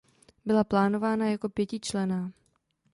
Byla plánována jako pětičlenná.